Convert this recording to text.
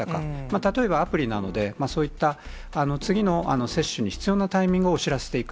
例えば、アプリなどでそういった次の接種に必要なタイミングを知らせていく。